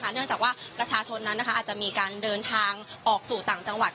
เนื่องจากว่าประชาชนนั้นอาจจะมีการเดินทางออกสู่ต่างจังหวัด